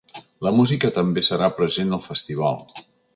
La música també serà present al festival.